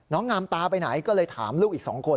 งามตาไปไหนก็เลยถามลูกอีก๒คน